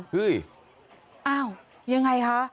เฮ้ยยังไงคะ